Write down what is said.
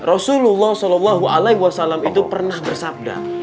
rasulullah saw itu pernah bersabda